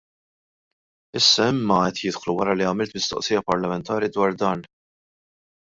Issa imma qed jidħlu wara li għamilt mistoqsija parlamentari dwar dan.